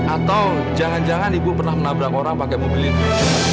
atau jangan jangan ibu pernah menabrak orang pakai mobil itu